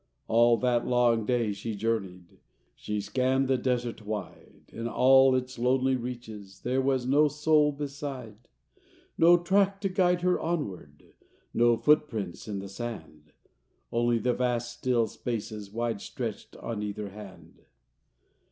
All that long day she journeyed; She scanned the desert wide, In all its lonely reaches There was no soul beside— No track to guide her onward, No footprints in the sand, Only the vast, still spaces Wide stretched on either hand!